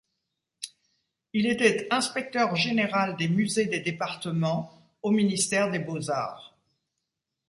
Il était inspecteur général des musées des départements au ministère des Beaux-Arts.